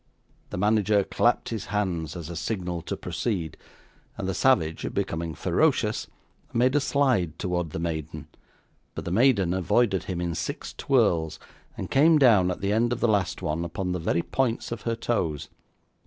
The manager clapped his hands as a signal to proceed, and the savage, becoming ferocious, made a slide towards the maiden; but the maiden avoided him in six twirls, and came down, at the end of the last one, upon the very points of her toes.